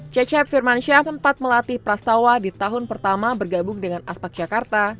cecep firmansyah sempat melatih prastawa di tahun pertama bergabung dengan aspak jakarta